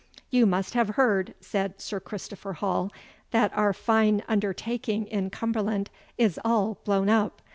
"You must have heard," said Sir Christopher Hall, "that our fine undertaking in Cumberland is all blown up.